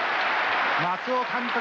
松尾監督